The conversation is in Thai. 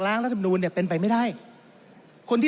ท่านประธานก็เป็นสอสอมาหลายสมัย